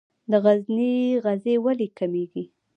د غزني غزې ولې کمیږي؟